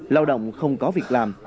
lao động không có việc làm